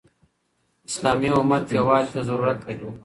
اسلامي امت يووالي ته ضرورت لري.